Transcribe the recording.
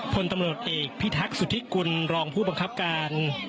พลตำรวจเอกพิทักษุธิกุลรองผู้บังคับการ